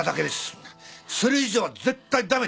それ以上は絶対駄目です。